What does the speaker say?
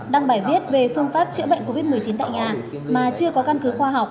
đăng bài viết về phương pháp chữa bệnh covid một mươi chín tại nhà mà chưa có căn cứ khoa học